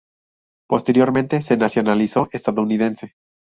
Posteriormente se nacionalizó estadounidense.